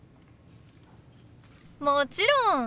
もちろん。